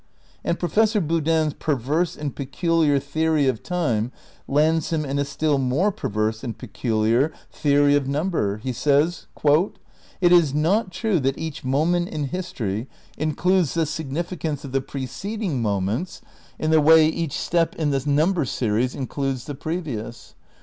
And Professor Boodin 's perverse and peculiar the ory of time lands him in a still more perverse and pe culiar theory of number. He says : "It is not true that each moment in history includes the signifl eanee of the preceding moments in the way each step in the num ber series includes the previous.